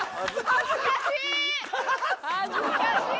恥ずかしい！